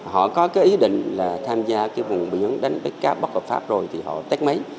họ có ý định là tham gia vùng biển đánh cá bất hợp pháp rồi thì họ tét máy